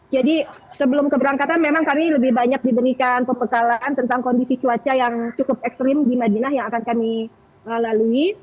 jadi sebelum keberangkatan memang kami lebih banyak diberikan pebekalan tentang kondisi cuaca yang cukup ekstrim di madinat yang akan kami lalui